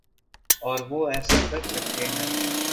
اور وہ ایسا کر سکتے تھے۔